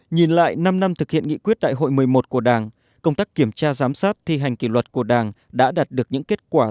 nhìn lại năm năm thực hiện nghị quyết đại hội một mươi một của đảng công tác kiểm tra giám sát thi hành kỷ luật của đảng đã đạt được những kết quả